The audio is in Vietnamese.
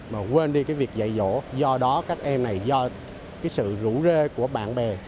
mà quên đi cái việc dạy dỗ do đó các em này do cái sự rủ rê của bạn bè